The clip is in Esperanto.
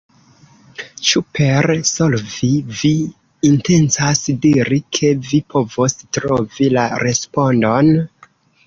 Ĉu per 'solvi' vi intencas diri ke vi povos trovi la respondon?